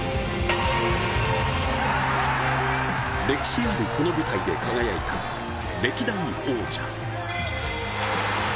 歴史あるこの舞台で輝いた歴代王者。